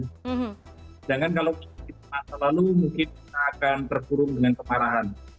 sedangkan kalau kita terlalu mungkin kita akan terburung dengan kemarahan